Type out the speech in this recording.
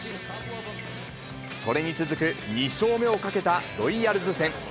それに続く２勝目をかけたロイヤルズ戦。